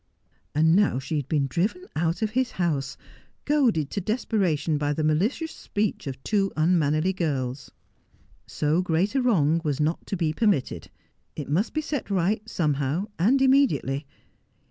And now she had been driven out of his house, goaded to desperation by the malicious speech of two unmannerly girls. So great a wrong was not to be permitted. It must be set right, somehow, and immediately.